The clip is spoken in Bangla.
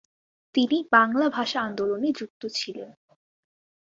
তিনি বাংলা ভাষা আন্দোলনে যুক্ত ছিলেন।